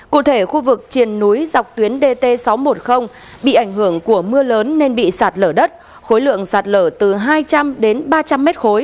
cụ thể khu vực triền núi dọc tuyến dt sáu trăm một mươi bị ảnh hưởng của mưa lớn nên bị sạt lở đất khối lượng sạt lở từ hai trăm linh đến ba trăm linh m ba